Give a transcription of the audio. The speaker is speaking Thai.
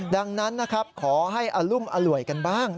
ดังนั้นนะครับขอให้อรุมอร่วยกันบ้าง